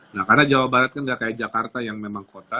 nah karena jawa barat kan nggak kayak jakarta yang memang kota